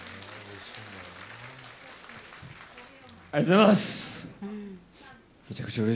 ありがとうございます。